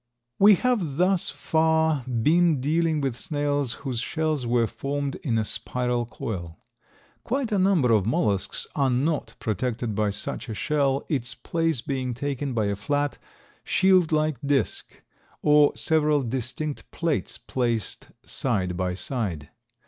We have thus far been dealing with snails whose shells were formed in a spiral coil. Quite a number of mollusks are not protected by such a shell, its place being taken by a flat, shield like disk, or several distinct plates placed side by side.